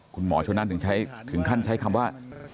คุณหมอชนนั่นถึงขั้นใช้คำว่า